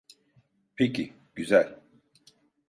Peki, güzel.